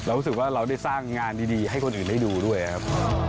รู้สึกว่าเราได้สร้างงานดีให้คนอื่นได้ดูด้วยครับ